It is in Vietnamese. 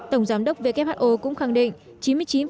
tổng giám đốc who cũng khẳng định